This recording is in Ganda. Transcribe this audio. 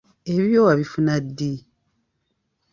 Ebibyo wabifuna ddi?